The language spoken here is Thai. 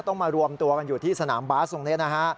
ต้องมารวมตัวกันอยู่ที่สนามบาสตรงนี้นะฮะ